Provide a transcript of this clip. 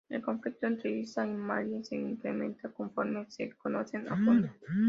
El conflicto entre Isa y Marie se incrementa conforme se conocen a fondo.